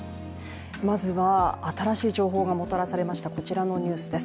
まずは新しい情報がもたらされましたこちらのニュースです。